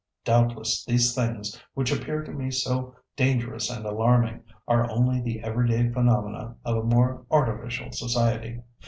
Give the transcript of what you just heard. Doubtless these things, which appear to me so dangerous and alarming, are only the everyday phenomena of a more artificial society.